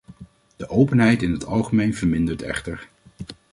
De openheid in het algemeen vermindert echter.